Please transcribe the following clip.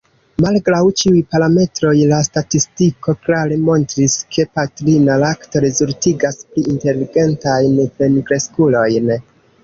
Malgraŭ ĉiuj parametroj, la statistiko klare montris, ke patrina lakto rezultigas pli inteligentajn plenkreskulojn.